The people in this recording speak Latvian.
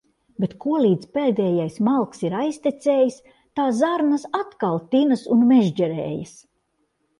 Bet kolīdz pēdējais malks ir aiztecējis, tā zarnas atkal tinas un mežģerējas.